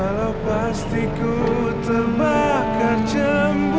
kalau pasti ku terbakar cemburu